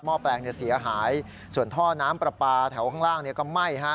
แปลงเสียหายส่วนท่อน้ำปลาปลาแถวข้างล่างก็ไหม้